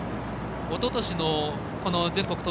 おととしの全国